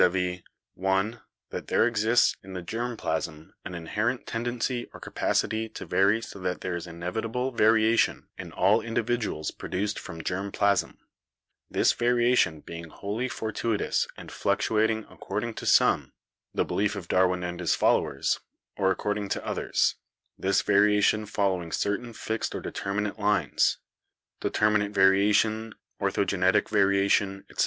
(i) that there exists in the germ plasm an inherent tend ency or capacity to vary so that there is inevitable va riation in all individuals produced from germ plasm, this variation being wholly fortuitous and fluctuating accord ing to some (the belief of Darwin and his followers), or, according to others, this variation following certain fixed or determinate lines (determinate variation, ortho genetic variation, etc.)